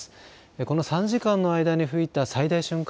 この３時間の間に吹いた最大瞬間